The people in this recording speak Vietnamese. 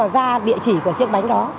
ra địa chỉ của chiếc bánh đó